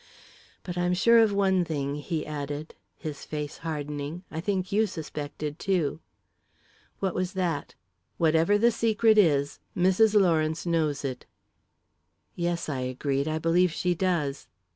But I'm sure of one thing," he added, his face hardening. "I think you suspected, too." "What was that?" "Whatever the secret is, Mrs. Lawrence knows it." "Yes," I agreed, "I believe she does."